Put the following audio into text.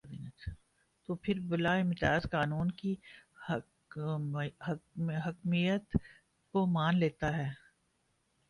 تو پھر بلا امتیاز قانون کی حاکمیت کو مان لیتا ہے۔